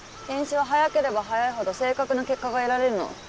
検視は早ければ早いほど正確な結果が得られるの。